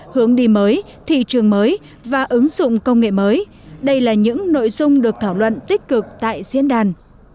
hướng đi mới thị trường mới và ứng dụng công nghệ mới đây là những nội dung được thảo luận tích cực tại diễn đàn